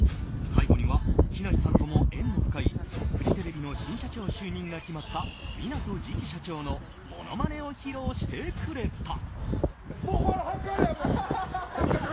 最後には木梨さんとも縁の深いフジテレビの新社長就任が決まった、港次期社長のものまねを披露してくれた。